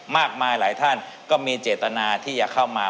มากมายหลายท่านก็มีเจตนาที่จะเข้ามา